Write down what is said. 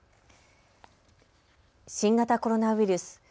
新型コロナウイルス。